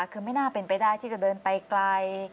คือไม่น่าเป็นไปได้ที่จะเดินไปไกล